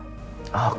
terima kasih pak